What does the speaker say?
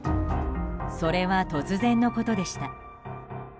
それは突然のことでした。